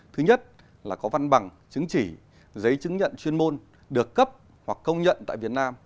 thứ nhất là có văn bằng chứng chỉ giấy chứng nhận chuyên môn được cấp hoặc công nhận tại việt nam